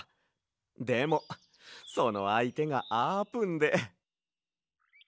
でもそのあいてがあーぷんで。